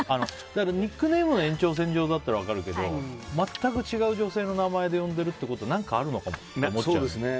ニックネームの延長線上だったら分かるけど全く違う女性の名前で呼ぶのは何かあるのかって思っちゃうよね。